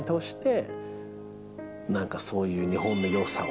何かそういう。